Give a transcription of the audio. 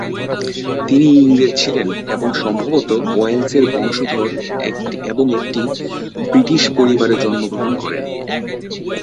তিনি ইংরেজ ছিলেন, এবং সম্ভবত ওয়েলসের বংশধর এবং একটি ব্রিটিশ পরিবারে জন্মগ্রহণ করেন।